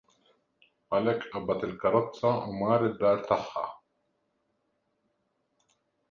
Għalhekk qabad il-karrozza u mar id-dar tagħha.